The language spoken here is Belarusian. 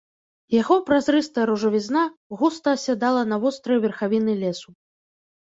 Яго празрыстая ружавізна густа асядала на вострыя верхавіны лесу.